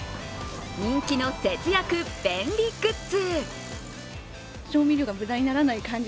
人気の節約便利グッズ！